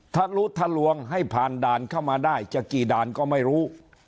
ถ้ารู้ทะลวงให้ผ่านด่านเข้ามาได้จะกี่ด่านก็ไม่รู้